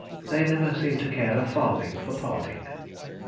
They never seem to care a farthing for parting.